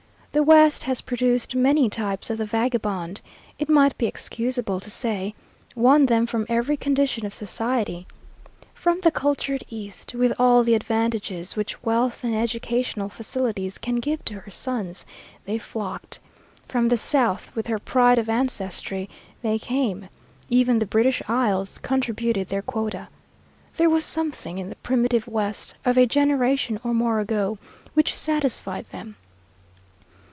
The West has produced many types of the vagabond, it might be excusable to say, won them from every condition of society. From the cultured East, with all the advantages which wealth and educational facilities can give to her sons, they flocked; from the South, with her pride of ancestry, they came; even the British Isles contributed their quota. There was something in the primitive West of a generation or more ago which satisfied them.